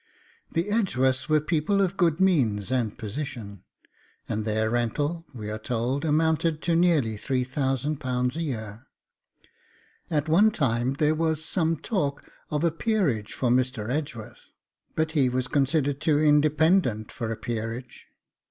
The Edgeworths were people of good means and position, and their rental, we are told, amounted to nearly £3000 a year. At one time there was some talk of a peerage for Mr. Edgeworth, but he was considered too independent for a peerage.